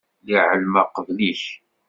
Lliɣ εelmeɣ qbel-ik.